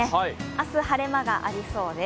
明日晴れ間がありそうです。